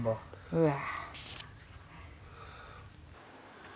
うわ。